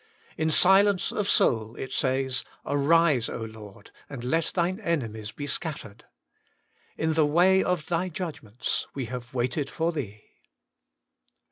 In silence of soul it says, * Arise, Lord ! and let Thine enemies be scattered. In the way of Thy judg ments we have waited for Thee.'